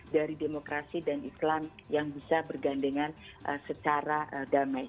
dari demokrasi dan islam yang bisa bergandengan secara damai